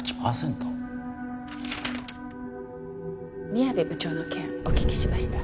宮部部長の件お聞きしました。